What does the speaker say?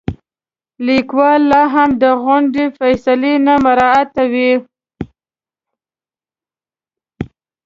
لیکوال لاهم د غونډې فیصلې نه مراعاتوي.